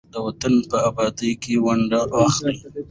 د وطن په ابادۍ کې ونډه واخلئ.